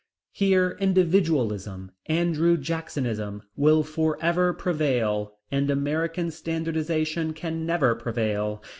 Here individualism, Andrew Jacksonism, will forever prevail, and American standardization can never prevail.